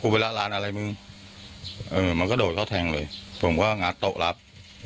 ไปละร้านอะไรมึงเออมันก็โดดเข้าแทงเลยผมก็งัดโต๊ะรับ